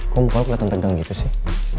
kok muka lu keliatan tegang gitu sih